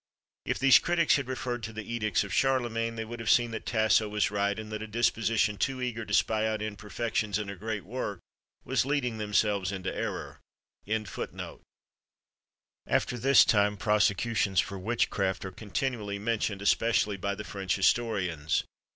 If these critics had referred to the edicts of Charlemagne, they would have seen that Tasso was right, and that a disposition too eager to spy out imperfections in a great work was leading themselves into error. After this time, prosecutions for witchcraft are continually mentioned, especially by the French historians.